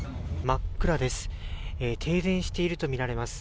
真っ暗です。